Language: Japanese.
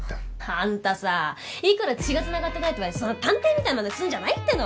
あんたさいくら血が繋がってないとはいえそんな探偵みたいなまねすんじゃないっての。